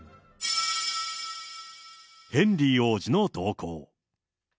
ヘンリー王子の動向。